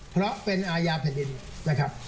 เพราะเป็นอาญาแผ่นดินนะครับ